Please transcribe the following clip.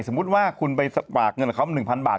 สมมุติว่าคุณไปสภาคเงินของเขาเป็น๑๐๐๐บาท